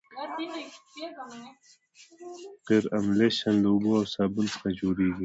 قیر املشن له اوبو او صابون څخه جوړیږي